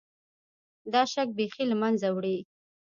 دا شک بیخي له منځه وړي.